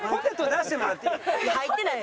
入ってない。